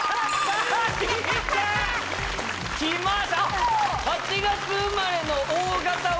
あっ８月生まれのＯ型は？